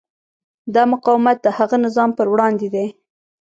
دا مقاومت د هغه نظام پر وړاندې دی.